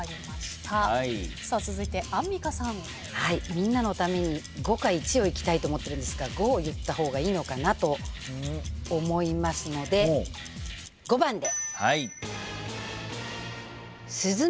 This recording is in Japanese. みんなのために５か１をいきたいと思ってるんですが５をいった方がいいのかなと思いますので５番で。